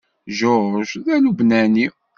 George d Alubnani.